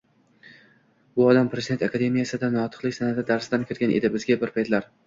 Bu odam Prezident akademiyasida notiqlik sanʼati darsidan kirgan edi bizga bir paytlar.